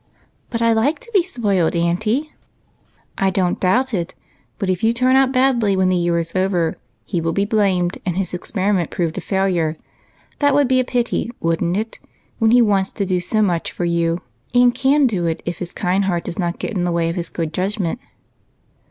" But I like to be spoilt, auntie." " I don't doubt it ; but if you turn out badly when the year is over he will be blamed, and his experiment prove a failure. That would be a pity, wouldn't it? when he wants to do so much for you, and can do it if his kind heart does not get in the way of his good judgmfent."